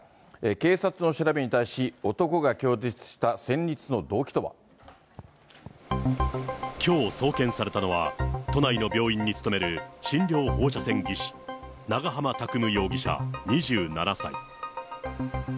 警察の調べに対し、きょう、送検されたのは、都内の病院に勤める診療放射線技師、長浜拓夢容疑者２７歳。